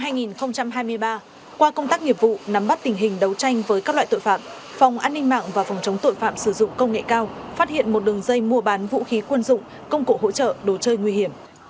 năm hai nghìn hai mươi ba qua công tác nghiệp vụ nắm bắt tình hình đấu tranh với các loại tội phạm phòng an ninh mạng và phòng chống tội phạm sử dụng công nghệ cao phát hiện một đường dây mua bán vũ khí quân dụng công cụ hỗ trợ đồ chơi nguy hiểm